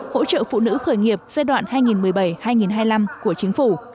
hỗ trợ phụ nữ khởi nghiệp giai đoạn hai nghìn một mươi bảy hai nghìn hai mươi năm của chính phủ